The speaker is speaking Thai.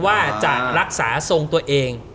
ว่าจะรักษาทรงตัวเอง